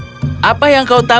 itu adalah perasaan yang paling baik